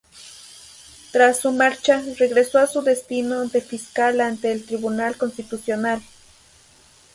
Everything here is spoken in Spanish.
Tras su marcha, regresó a su destino de Fiscal ante el Tribunal Constitucional.